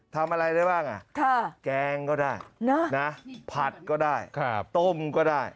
ทำอะไรได้บ้างแกงก็ได้นะผัดก็ได้ต้มก็ได้